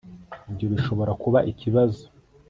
ibyo bishobora kuba ikibazo